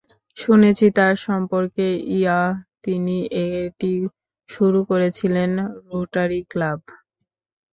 শুনেছি তার সম্পর্কে ইয়াহ তিনি এটি শুরু করেছিলেন রোটারি ক্লাব?